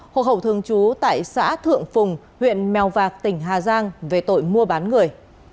hộ khẩu thường chú tại xã thượng phùng huyện mèo vạc tỉnh hà giang về tội mua bán người